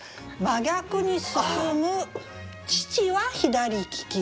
「真逆に進む父は左利き」。